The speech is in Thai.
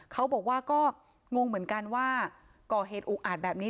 เขาบอกว่าก็งงเหมือนกันว่าก่อเหตุอุกอาจแบบนี้